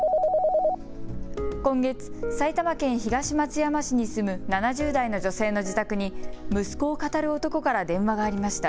今月、埼玉県東松山市に住む７０代の女性の自宅に息子をかたる男から電話がありました。